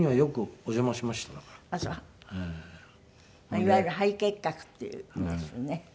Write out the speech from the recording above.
いわゆる肺結核っていうんですよね。